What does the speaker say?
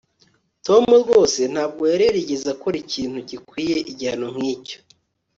tom rwose ntabwo yari yarigeze akora ikintu gikwiye igihano nkicyo